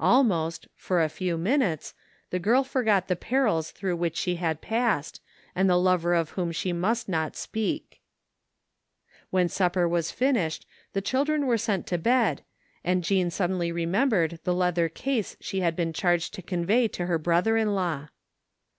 Al 106 THE FINDING OF JASPER HOLT most, for a few minutes, the girl forgot the perils through which she had passed, and the lover of whom she must not speak. When supper was finished the children were sent to bed, and Jean suddenly remembered the leather case she had been charged to convey to her brother in law.